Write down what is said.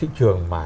cái thị trường